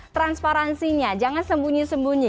transparansinya jangan sembunyi sembunyi